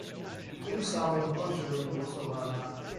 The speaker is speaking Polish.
Tym samym kończymy głosowania